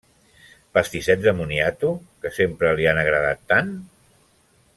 Pastissets de moniato, que sempre li han agradat tant?